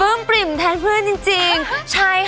แอร์โหลดแล้วคุณล่ะโหลดแล้ว